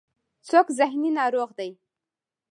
څوک ذهني ناروغ دی.